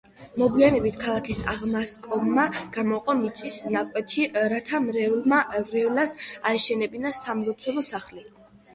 მოგვიანებით ქალაქის აღმასკომმა გამოყო მიწის ნაკვეთი რათა მრევლს აეშენებინა სამლოცველო სახლი.